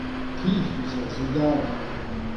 Tri eus ar soudarded.